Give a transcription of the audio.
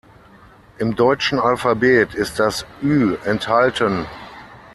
Im deutschen Alphabet ist das Ü enthalten.